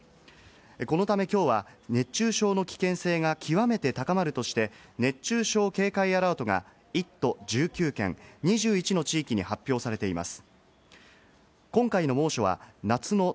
このためきょうは熱中症の危険性が極めて高まるとして、熱中症警戒アラートが１都１９県、２１の地域に発表されています。